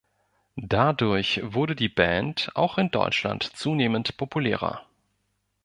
Dadurch wurde die Band auch in Deutschland zunehmend populärer.